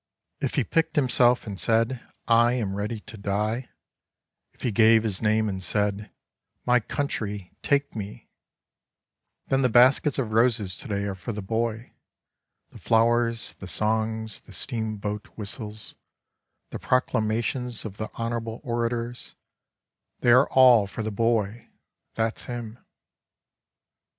If he picked himself and said, " I am ready to die," if he gave his name and said, " My country, take me," then the baskets of roses to day are for the Boy, the flowers, the songs, the steamboat whistles, the proclamations of the honorable orators, they are all for the Boy — that's him.